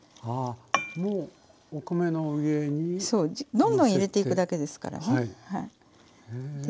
どんどん入れていくだけですから。